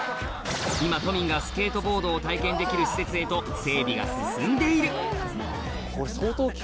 今都民がスケートボードを体験できる施設へと整備が進んでいるこれ相当。